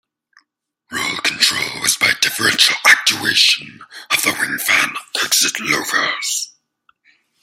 Roll control was by differential actuation of the wing-fan exit louvers.